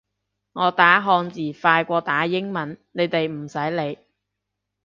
我打漢字快過打英文，你哋唔使理